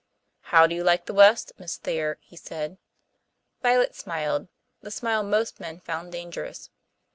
"How do you like the west, Miss Thayer?" he said. Violet smiled the smile most men found dangerous.